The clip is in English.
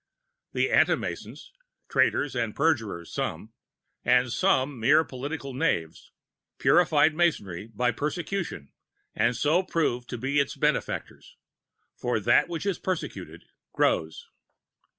The Anti Masons, traitors and perjurers some, and some mere political knaves, purified Masonry by persecution, and so proved to be its benefactors; for that which is persecuted, grows.